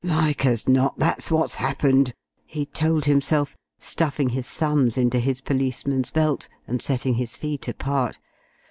"Like as not that's what's happened," he told himself, stuffing his thumbs into his policeman's belt and setting his feet apart.